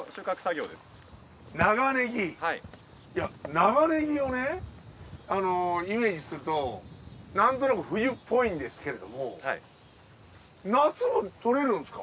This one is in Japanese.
長ねぎをねイメージするとなんとなく冬っぽいんですけれども夏も採れるんですか？